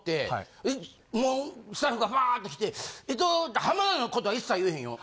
もうスタッフがバーッと来てえっと浜田の事は一切言えへんよ。